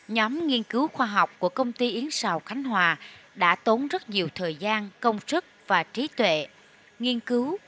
nhóm nghiên cứu khoa học của công ty yến xào khánh hòa đã tốn rất nhiều thời gian công sức và trí tuệ nghiên cứu